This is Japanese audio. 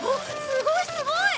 すごいすごい！